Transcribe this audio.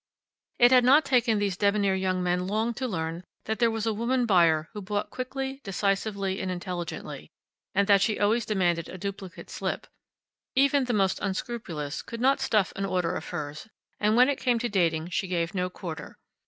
It had not taken these debonair young men long to learn that there was a woman buyer who bought quickly, decisively, and intelligently, and that she always demanded a duplicate slip. Even the most unscrupulous could not stuff an order of hers, and when it came to dating she gave no quarter.